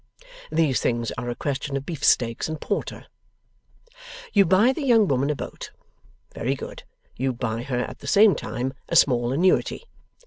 These things are a question of beefsteaks and porter. You buy the young woman a boat. Very good. You buy her, at the same time, a small annuity.